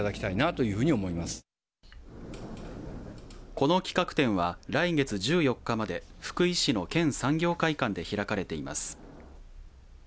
この企画展は来月１４日まで福井市の県産業会館で開かれています。